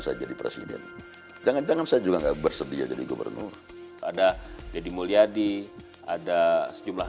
saya jadi presiden jangan jangan saya juga enggak bersedia jadi gubernur ada deddy mulyadi ada sejumlah